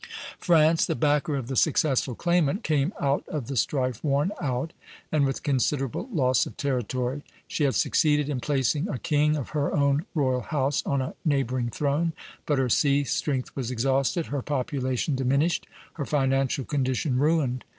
France, the backer of the successful claimant, came out of the strife worn out, and with considerable loss of territory. She had succeeded in placing a king of her own royal house on a neighboring throne, but her sea strength was exhausted, her population diminished, her financial condition ruined.